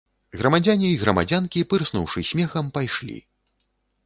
Грамадзяне й грамадзянкі, пырснуўшы смехам, пайшлі.